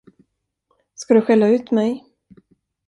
Ska du skälla ut mig?